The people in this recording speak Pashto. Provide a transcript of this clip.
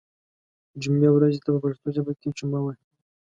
جمعې ورځې ته په پښتو ژبه کې جمعه وایی